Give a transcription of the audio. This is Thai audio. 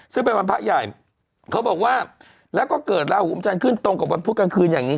เขาบอกว่าแล้วก็เกิดลาหูอุ้มชันขึ้นตรงกับวันพุทธกลางคืนอย่างนี้